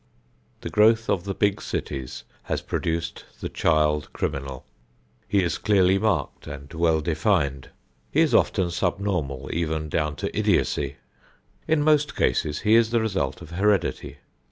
The growth of the big cities has produced the child criminal. He is clearly marked and well defined. He is often subnormal even down to idiocy. In most cases he is the result of heredity.